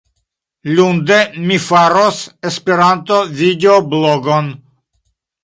Lunde, mi faros Esperanto-videoblogon.